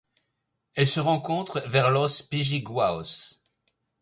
Elle se rencontre vers Los Pijigüaos.